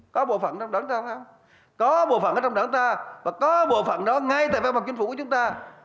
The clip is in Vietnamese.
có bộ phận trong đảng ta không có bộ phận ở trong đảng ta và có bộ phận đó ngay tại văn phòng chính phủ của chúng ta